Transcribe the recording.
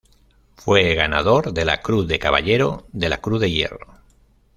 Fue ganador de la Cruz de Caballero de la Cruz de Hierro.